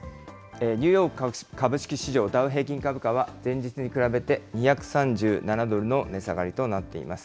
ニューヨーク株式市場ダウ平均株価は、前日に比べて２３７ドルの値下がりとなっています。